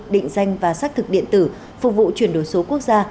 định danh và xác thực điện tử phục vụ chuyển đổi số quốc gia